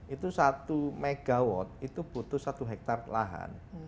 itu satu mw itu butuh satu hektar lahan